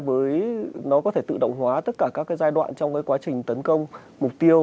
với nó có thể tự động hóa tất cả các cái giai đoạn trong cái quá trình tấn công mục tiêu